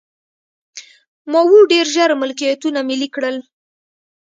ماوو ډېر ژر ملکیتونه ملي کړل.